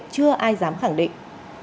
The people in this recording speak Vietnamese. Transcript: chưa ai dám khẳng định